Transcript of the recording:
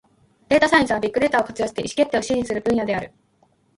データサイエンスは、ビッグデータを活用して意思決定を支援する分野である。